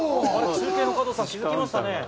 中継の加藤さん、気づきましたね。